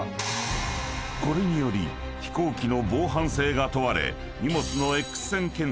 ［これにより飛行機の防犯性が問われ］